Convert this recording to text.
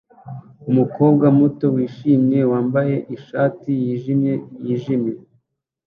Umukobwa muto wishimye wambaye ishati yijimye yijimye